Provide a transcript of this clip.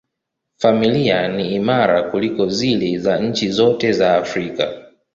Familia ni imara kuliko zile za nchi zote za Afrika.